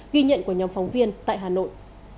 ghi nhận của nhóm phóng viên tại hà nội